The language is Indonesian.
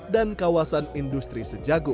dan kawasan industri sejagu